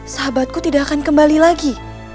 sahabatku tidak akan kembali lagi